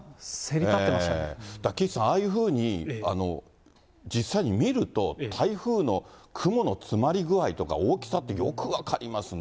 岸さん、ああいうふうに、実際に見ると、台風の雲のつまり具合とか大きさってよく分かりますね。